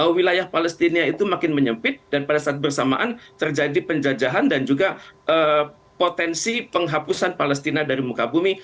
wilayah palestina itu makin menyempit dan pada saat bersamaan terjadi penjajahan dan juga potensi penghapusan palestina dari muka bumi